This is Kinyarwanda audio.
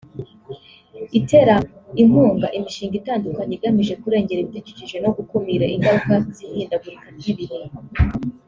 itera inkunga imishinga itandukanye igamije kurengera ibidukikije no gukumira ingaruka z’ihindagurika ry’ibihe